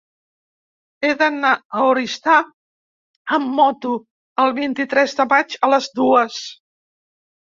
He d'anar a Oristà amb moto el vint-i-tres de maig a les dues.